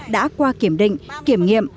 đã qua kiểm định kiểm nghiệm